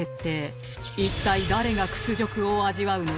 一体誰が屈辱を味わうのでしょうか？